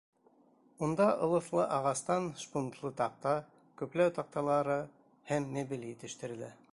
Унда ылыҫлы ағастан шпунтлы таҡта, көпләү таҡталары һәм мебель етештерелә.